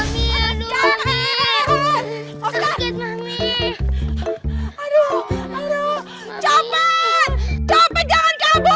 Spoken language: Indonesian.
cepet jangan kabur